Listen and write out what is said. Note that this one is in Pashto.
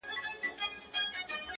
چې وروستۍ پېښه یې